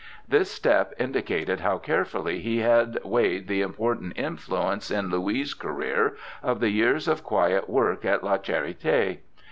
This step indi cated how carefully he had weighed the important influence in Louis' career of the years of quiet work at La Charite.